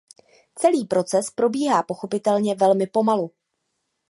Celý proces probíhá pochopitelně velmi pomalu.